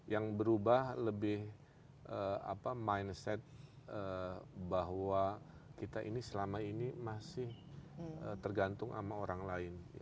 yang berubah lebih mindset bahwa kita ini selama ini masih tergantung sama orang lain